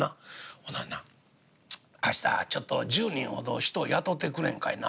ほなな明日ちょっと１０人ほど人を雇ってくれんかいな？」。